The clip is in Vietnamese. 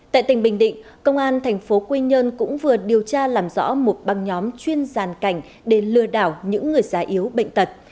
tại tỉnh bình định công an thành phố quy nhơn cũng vừa điều tra làm rõ một băng nhóm chuyên giàn cảnh để lừa đảo những người già yếu bệnh tật